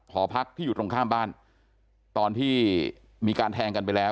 หอพักที่อยู่ตรงข้ามบ้านตอนที่มีการแทงกันไปแล้ว